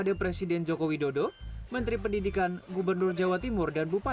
karena banyak dari teman teman kita yang sudah putus sekolah